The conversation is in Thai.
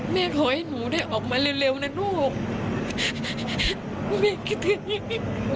แม่ขอให้หนูได้ออกมาเร็วเร็วนะลูกแม่คิดแบบนี้